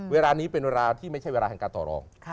เวลานี้เป็นเวลาไม่ใช่เวลาศรีพิจิปฏิบัติต่อลอง